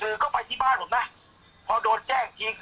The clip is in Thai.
แม่ยังคงมั่นใจและก็มีความหวังในการทำงานของเจ้าหน้าที่ตำรวจค่ะ